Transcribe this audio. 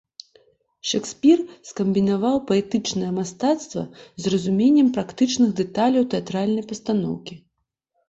Шэкспір скамбінаваў паэтычнае мастацтва з разуменнем практычных дэталяў тэатральнай пастаноўкі.